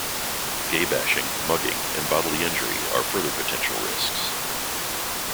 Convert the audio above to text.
Gay bashing, mugging, and bodily injury are further potential risks.